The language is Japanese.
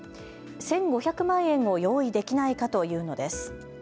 １５００万円を用意できないかと言うのです。